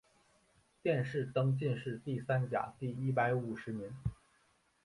殿试登进士第三甲第一百五十名。